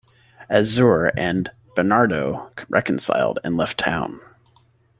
Azure and Bernardo reconciled and left town.